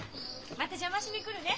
また邪魔しに来るね。